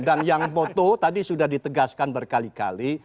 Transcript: dan yang foto tadi sudah ditegaskan berkali kali